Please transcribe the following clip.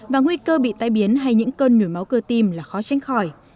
và nguy cơ bị tai biến hay những cơn nổi máu cơ tim là khó tránh khỏi